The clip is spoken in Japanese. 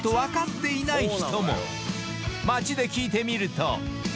［街で聞いてみると］